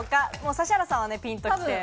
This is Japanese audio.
指原さんはピンときて。